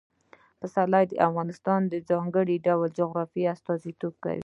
پسرلی د افغانستان د ځانګړي ډول جغرافیه استازیتوب کوي.